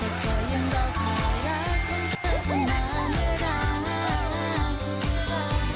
แต่ก็ยังรอข่าวรักของเธอตอนนั้นเมื่อด้านหลัก